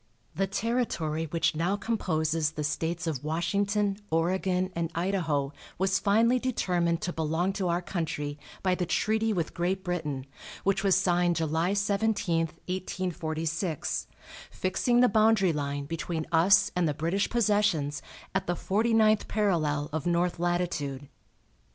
The territory which now composes the States of Washington, Oregon and Idaho was finally determined to belong to our country by the treaty with Great Britain, which was signed July 17, 1846, fixing the boundary line between us and the British possessions at the forty ninth parallel of north latitude.